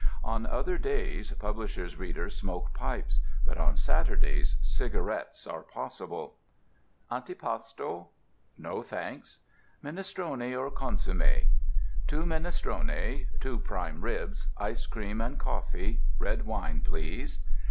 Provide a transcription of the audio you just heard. On other days publishers' readers smoke pipes, but on Saturdays cigarettes are possible. "Antipasto?" "No, thanks." "Minestrone or consommé?" "Two minestrone, two prime ribs, ice cream and coffee. Red wine, please."